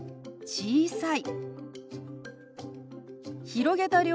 「小さい」。